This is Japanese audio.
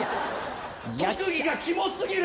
特技がキモ過ぎる！